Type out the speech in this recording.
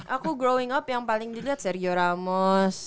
aku growing up yang paling dilihat serio ramos